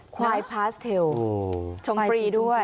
ควายพาสเทลชมฟรีด้วย